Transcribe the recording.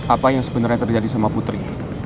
apa yang sebenarnya terjadi sama putri